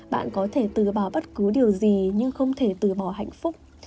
bạn có thể từ bỏ bất cứ điều gì nhưng không thể từ bỏ hạnh phúc